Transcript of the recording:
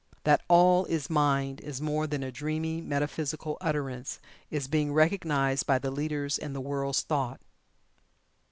That "All is Mind" is more than a dreamy, metaphysical utterance, is being recognized by the leaders in the world's thought.